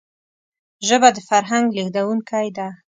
ژبه د فرهنګ لېږدونکی ده